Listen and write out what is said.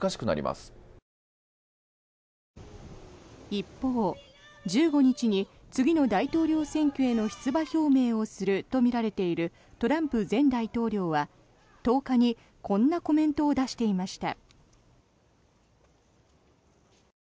一方、１５日に次の大統領選挙への出馬表明をするとみられているトランプ前大統領は１０日にこんなコメントを出していました。